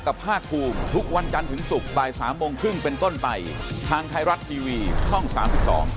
ครับผมขอบคุณนะครับขอบคุณครับสวัสดีครับ